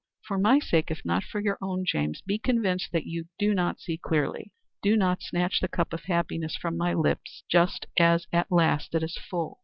For my sake, if not for your own, James, be convinced that you do not see clearly. Do not snatch the cup of happiness from my lips just as at last it is full.